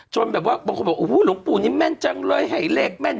แบบว่าบางคนบอกโอ้โหหลวงปู่นี้แม่นจังเลยให้เลขแม่น